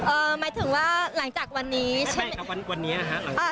เอ่อหมายถึงว่าหลังจากวันนี้ไม่แปลกครับวันนี้ฮะอ่า